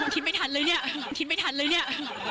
คิดไม่ทันหรือเนี่ยคิดไม่ทันหรือเนี่ย